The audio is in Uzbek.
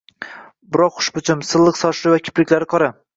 Biroq xushbichim, silliq sochli va kipriklari qora